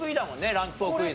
ランク４クイズ。